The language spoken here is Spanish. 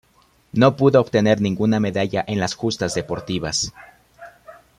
No pudo obtener ninguna medalla en las justas deportivas.